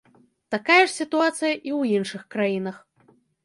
Такая ж сітуацыя і ў іншых краінах.